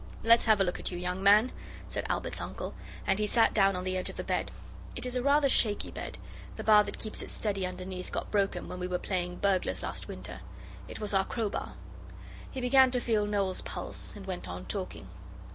'Let's have a look at you, young man,' said Albert's uncle, and he sat down on the edge of the bed. It is a rather shaky bed, the bar that keeps it steady underneath got broken when we were playing burglars last winter. It was our crowbar. He began to feel Noel's pulse, and went on talking.